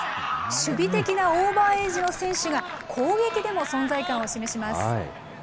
守備的なオーバーエイジの選手が、攻撃でも存在感を示します。